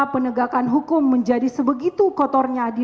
penegakan hukum menjadi sebegitu kotornya